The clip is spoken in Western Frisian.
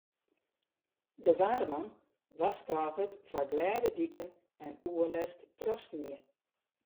De waarman warskôget foar glêde diken en oerlêst troch snie.